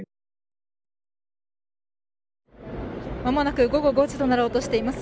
間もなく、午後５時となろうとしています。